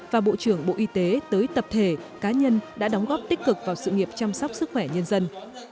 và bộ trưởng bộ y tế tới tập thể cá nhân đã đóng góp tích cực vào sự nghiệp chăm sóc sức khỏe nhân dân